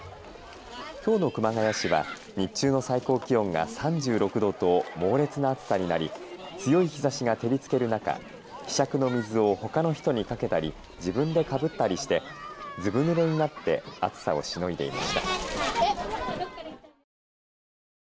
きょうの熊谷市は日中の最高気温が３６度と猛烈な暑さになり強い日ざしが照りつける中ひしゃくの水をほかの人にかけたり、自分でかぶったりしてずぶぬれになって暑さをしのいでいました。